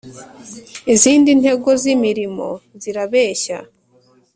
Izindi nzego z imirimo zirabeshya